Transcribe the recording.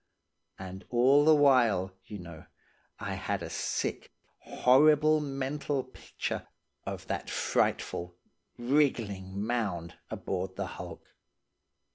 And all the while, you know, I had a sick, horrible mental picture of that frightful, wriggling mound aboard the hulk.